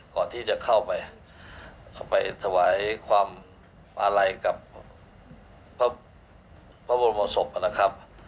ก่อนจะเกิดเข้าไปสบายความอะไรกับพระบรมศพนะครับ